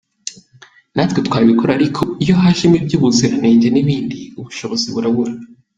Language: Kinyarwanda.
Natwe twabikora ariko iyo hajemo iby’ubuziranenge n’ibindi, ubushobozi burabura.